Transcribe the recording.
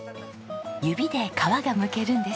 指で皮がむけるんです。